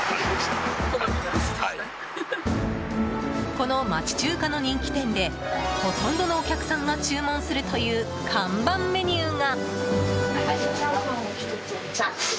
この町中華の人気店でほとんどのお客さんが注文するという看板メニューが。